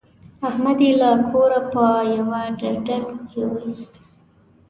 احمد يې له کوره په يوه دړدنګ ویوست.